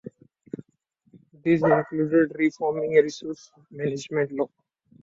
These included reforming resource management law.